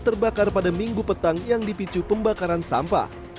terbakar pada minggu petang yang dipicu pembakaran sampah